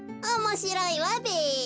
おもしろいわべ。